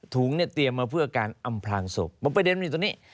ถุงเนี่ยเตรียมมาเพื่อการอำพลางศพประเด็นมันอยู่ตรงนี้